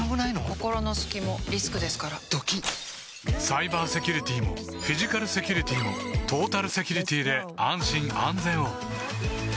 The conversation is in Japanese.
心の隙もリスクですからドキッサイバーセキュリティもフィジカルセキュリティもトータルセキュリティで安心・安全を